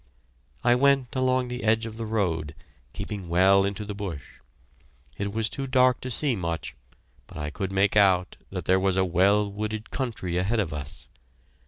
I went along the edge of the road, keeping well into the bush. It was too dark to see much, but I could make out that there was a well wooded country ahead of us.